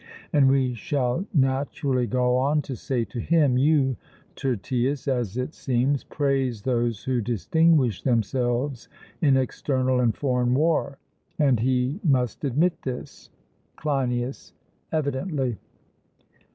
And we shall naturally go on to say to him, You, Tyrtaeus, as it seems, praise those who distinguish themselves in external and foreign war; and he must admit this. CLEINIAS: Evidently.